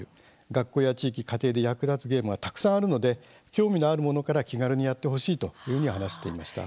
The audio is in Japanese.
学校や地域、家庭で役立つゲームはたくさんあるので興味のあるものから気軽にやってほしいというふうに話していました。